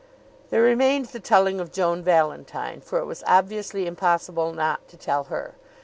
There remained the telling of Joan Valentine; for it was obviously impossible not to tell her.